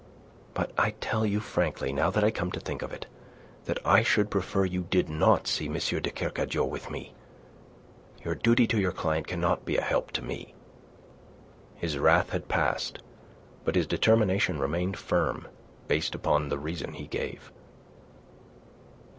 "But I tell you frankly, now that I come to think of it, that I should prefer you did not see M. de Kercadiou with me. Your duty to your client cannot be a help to me." His wrath had passed; but his determination remained firm, based upon the reason he gave.